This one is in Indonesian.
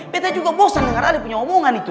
betanya juga bosan dengar ale punya omongan itu